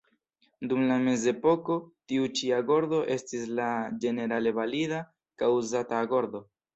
Dum la mezepoko tiu ĉi agordo estis la ĝenerale valida kaj uzata agordo.